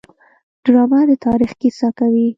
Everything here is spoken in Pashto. ډرامه د تاریخ کیسه کوي